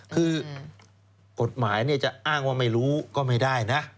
คือกฎหมายจะอ้างว่าไม่รู้ก็ไม่ได้นะ